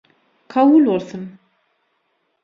Kabul bolsun.